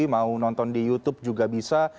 mau nonton di youtube juga bisa